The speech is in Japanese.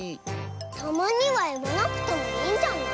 たまにはいわなくてもいいんじゃない？